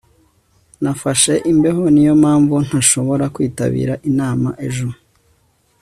nafashe imbeho. niyo mpamvu ntashobora kwitabira inama ejo